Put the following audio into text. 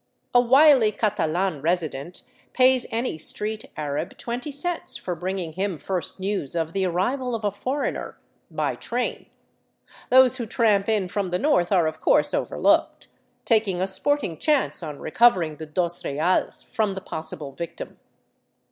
A wily Catalan resident pays any street Arab twenty cents for bringing him first news of the arrival of a foreigner — by train ; those who tramp in from the north are, of course, overlooked — taking a sporting chance on recovering the dos reales from the possible victim.